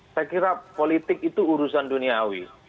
saya kira politik itu urusan duniawi